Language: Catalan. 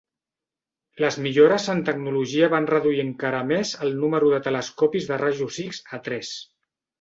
Les millores en tecnologia van reduir encara més el número de telescopis de rajos X a tres.